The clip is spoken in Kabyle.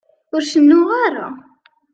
Ur cennuɣ ara.